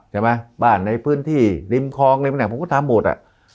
ใช่ไหมบ้านในพื้นที่ริมครองอะไรแหละพวกมันทำหมด